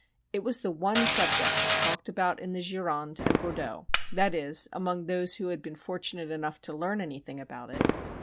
It was the one subject talked about in the Gironde and Bordeaux that is, among those who had been fortunate enough to learn anything about it.